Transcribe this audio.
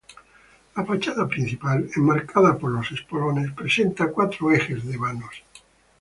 La fachada principal, enmarcada por los espolones, presenta cuatro ejes de vanos.